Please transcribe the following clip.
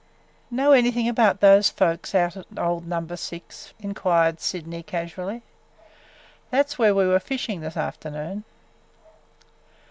"Know anything about those folks out at old Number Six?" inquired Sydney casually. "That 's where we were fishing this afternoon."